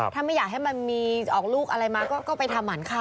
ถ้าไม่อยากให้มันมีออกลูกอะไรมาก็ไปทำหมันเข้า